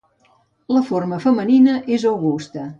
La forma femenina és Augusta.